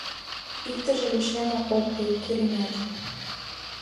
Иктыже лишеме Ок лий, керемет.